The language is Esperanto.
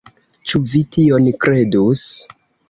Ĉu vi tion kredus!